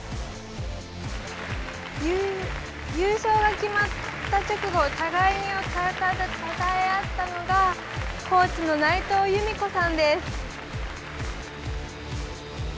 優勝が決まった直後互いをたたえ合ったのがコーチの内藤由美子さんです。